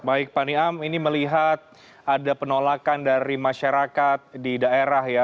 baik pak niam ini melihat ada penolakan dari masyarakat di daerah ya